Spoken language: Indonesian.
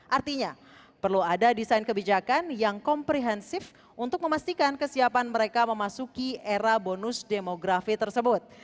artinya perlu ada desain kebijakan yang komprehensif untuk memastikan kesiapan mereka memasuki era bonus demografi tersebut